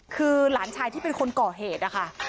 คือหลานชายที่เป็นคนก่อเหตุนะคะ